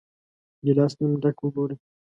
ګیلاس نیم ډک وګورئ.